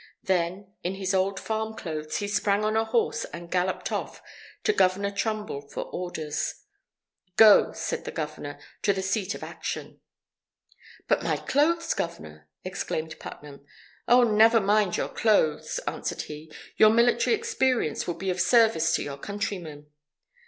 Then, in his old farm clothes, he sprang on a horse and galloped off to Governor Trumbull for orders. "Go," said the Governor, "to the seat of action." "But my clothes, Governor!" exclaimed Putnam. "Oh, never mind your clothes," answered he, "your military experience will be of service to your countrymen."